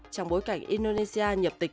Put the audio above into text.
trong bối cảnh indonesia nhập tịch